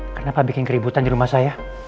kenapa bikin keributan di rumah saya